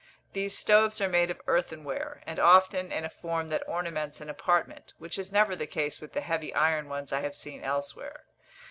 These stoves are made of earthenware, and often in a form that ornaments an apartment, which is never the case with the heavy iron ones I have seen elsewhere.